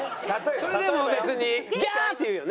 それでも別に「ギャーッ！」って言うよね。